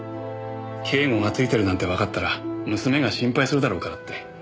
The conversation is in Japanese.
警護がついてるなんてわかったら娘が心配するだろうからって。